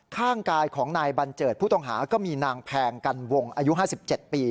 ข้างกายของนายบัญเจิดผู้ต้องหาก็มีนางแพงกันวงอายุ๕๗ปี